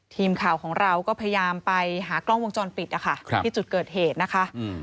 ทีมข่าวของเราก็พยายามไปหากล้องวงจรปิดนะคะที่จุดเกิดเหตุนะคะ